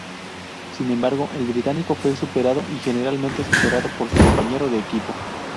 Sin embargo, el británico fue superado y generalmente superado por su compañero de equipo.